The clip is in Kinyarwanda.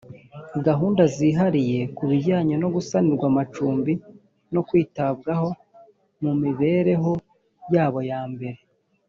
gahunda zihariye ku bijyanye no gusanirwa amacumbi no kwitabwaho mu mibereho yabo yambere